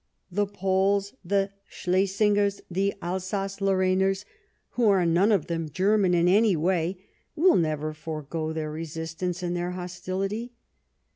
The Poles, the Slesingers, the Alsace Lorrainers, who are none of them Ger man in any way, will never forgo their resistance and their hostilit}'.